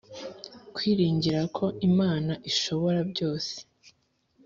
kwiringira ko Imana Ishoborabyo i Strasbourg